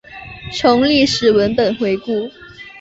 从历史文本回顾